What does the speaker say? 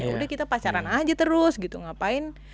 udah kita pacaran aja terus gitu ngapain